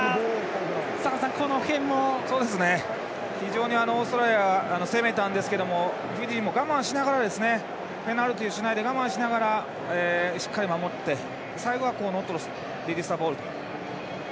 非常にオーストラリア攻めたんですがフィジーも我慢しながらペナルティしないで我慢しながらしっかり守って、最後はノットリリースザボールと。